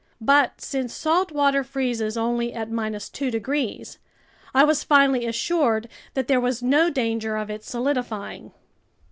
But since salt water freezes only at 2 degrees, I was finally assured that there was no danger of it solidifying.